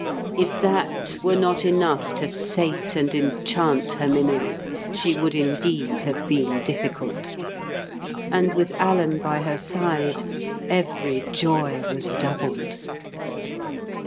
If that were not enough to sate and enchant Herminia, she would indeed have been difficult. And with Alan by her side, every joy was doubled.